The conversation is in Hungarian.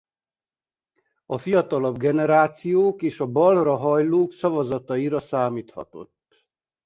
A fiatalabb generációk és a balra hajlók szavazataira számíthatott.